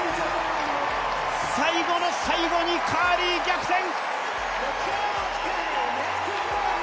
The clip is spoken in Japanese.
最後の最後にカーリー逆転。